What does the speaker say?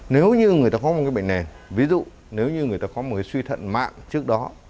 nếu như người ta có một bệnh nền ví dụ nếu như người ta có một suy thận mạn trước đó